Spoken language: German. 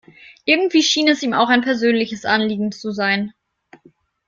Irgendwie schien es ihm auch ein persönliches Anliegen zu sein.